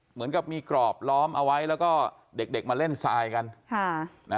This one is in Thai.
เหมือนกับมีกรอบล้อมเอาไว้แล้วก็เด็กมาเล่นทรายกัน